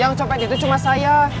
yang copet itu cuma saya